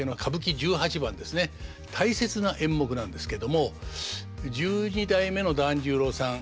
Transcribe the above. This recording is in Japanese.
大切な演目なんですけども十二代目の團十郎さん